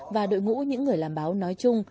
và đội ngũ những người làm báo nói chung